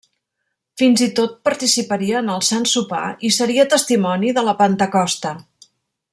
Fins i tot participaria en el Sant Sopar i seria testimoni de la Pentecosta.